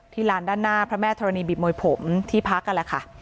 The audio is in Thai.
ลานด้านหน้าพระแม่ธรณีบิบมวยผมที่พักนั่นแหละค่ะ